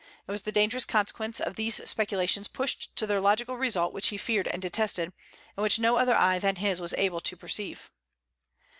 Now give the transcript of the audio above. It was the dangerous consequences of these speculations pushed to their logical result which he feared and detested, and which no other eye than his was able to perceive.